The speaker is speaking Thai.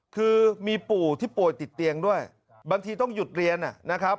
คือมีปู่ที่ป่วยติดเตียงด้วยบางทีต้องหยุดเรียนนะครับ